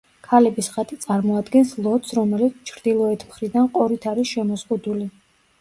ქალების ხატი წარმოადგენს ლოდს, რომელიც ჩრდილოეთ მხრიდან ყორით არის შემოზღუდული.